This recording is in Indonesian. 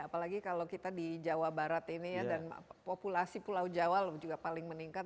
apalagi kalau kita di jawa barat ini ya dan populasi pulau jawa juga paling meningkat